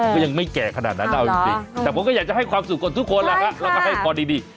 ก็ยังไม่แก่ขนาดนั้นเอาจริงแต่ผมก็อยากจะให้ความสุขกับทุกคนแล้วฮะแล้วก็ให้พอดี